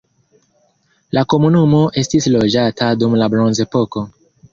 La komunumo estis loĝata dum la bronzepoko.